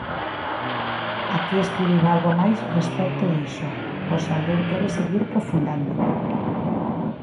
Aquí escribín algo máis respecto diso, por se alguén quere seguir profundando.